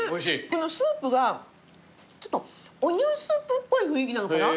このスープがちょっとオニオンスープっぽい雰囲気なのかな？